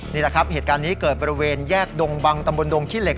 นี่แหละครับเหตุการณ์นี้เกิดบริเวณแยกดงบังตำบลดงขี้เหล็